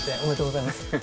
おめでとうございます。